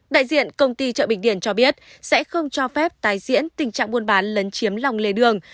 đại diện công ty chợ bình điền cho biết sẽ không cho phép tái diễn tình trạng buôn bán lấn chiếm lòng lề đường